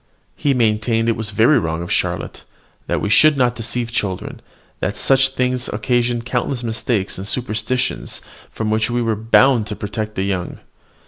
He maintained it was very wrong of Charlotte, that we should not deceive children, that such things occasioned countless mistakes and superstitions, from which we were bound to protect the young.